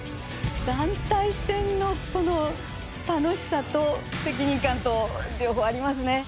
団体戦のこの楽しさと責任感と両方ありますね。